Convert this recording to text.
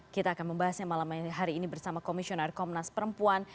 kita akan membahasnya malam hari ini bersama komisioner komnas perempuan